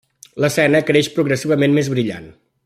L'escena creix progressivament més brillant.